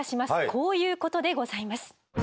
こういうことでございます。